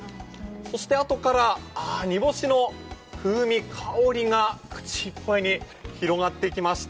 そしてあとから煮干しの風味、香りが口いっぱいに広がってきました。